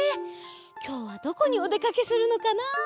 きょうはどこにおでかけするのかな。